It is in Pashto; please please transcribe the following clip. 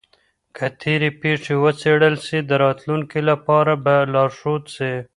که تېري پېښې وڅېړل سي د راتلونکي لپاره به لارښود سي.